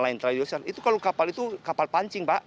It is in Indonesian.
itu kalau kapal itu kapal pancing pak